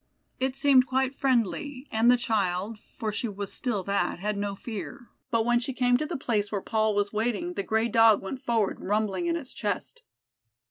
It seemed quite friendly, and the child (for she was still that) had no fear, but when she came to the place where Paul was waiting, the gray Dog went forward rumbling in its chest.